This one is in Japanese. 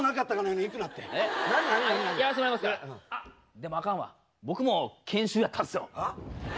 でもあかんわ僕も研修やったんすよ。